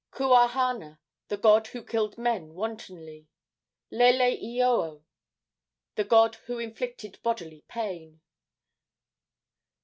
Kuahana, the god who killed men wantonly. Leleioio, the god who inflicted bodily pain.